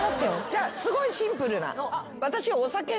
じゃあすごいシンプルな。